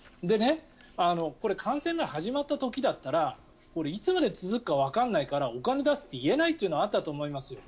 これ、感染が始まった時だったらいつまで続くかわからないからお金出すって言えないっていうのはあったと思います。